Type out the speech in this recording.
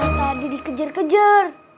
karena tadi dikejar kejar